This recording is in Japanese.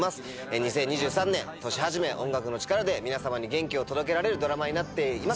２０２３年年始め音楽の力で皆様に元気を届けるドラマになってます。